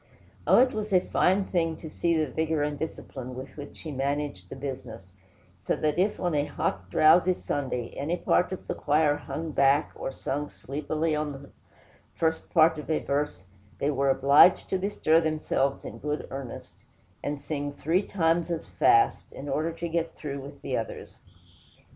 Oh, it was a fine thing to see the vigor and discipline with which he managed the business; so that if, on a hot, drowsy Sunday, any part of the choir hung back or sung sleepily on the first part of a verse, they were obliged to bestir themselves in good earnest, and sing three times as fast, in order to get through with the others.